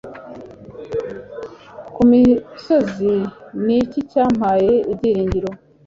Ku misozi? Ni iki cyampaye ibyiringiro